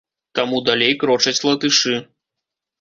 Таму далей крочаць латышы.